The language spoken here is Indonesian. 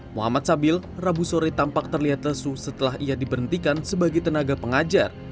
muhammad sabil rabu sore tampak terlihat lesu setelah ia diberhentikan sebagai tenaga pengajar